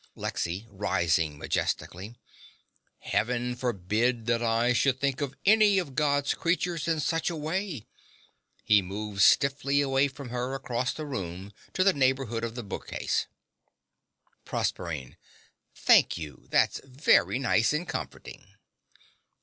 LEXY (rising majestically). Heaven forbid that I should think of any of God's creatures in such a way! (He moves stiffly away from her across the room to the neighbourhood of the bookcase.) PROSERPINE. Thank you. That's very nice and comforting.